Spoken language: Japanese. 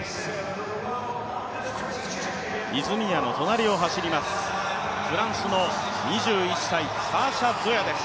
泉谷の隣を走ります、フランスの２１歳、サーシャ・ゾヤです。